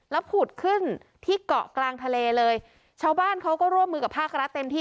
แล้วผุดขึ้นที่เกาะกลางทะเลเลยชาวบ้านเขาก็ร่วมมือกับภาครัฐเต็มที่